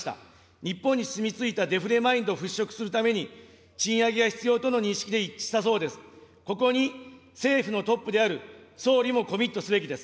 日本にしみついたデフレマインドを払拭するために、賃上げが必要との認識で一致したそうです。